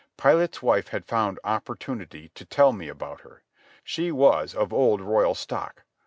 Pilate's wife had found opportunity to tell me about her. She was of old royal stock.